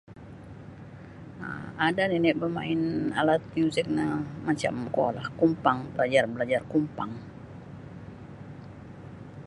um Ada nini' bamain alat muzik no macam kuolah kompang balajar-balajar kompang